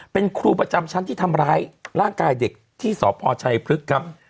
เป็นครูประจำชั้นที่ทำร้ายร่างกายเด็กที่สพชัยพฤกษ์ครับ